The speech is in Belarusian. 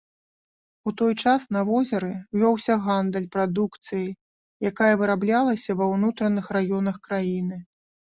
У той час на возеры вёўся гандаль прадукцыяй, якая выраблялася ва ўнутраных раёнах краіны.